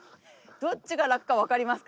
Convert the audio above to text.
どっちが楽か分かりますか？